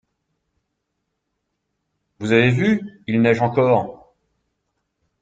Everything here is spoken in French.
Vous avez vu? Il neige encore!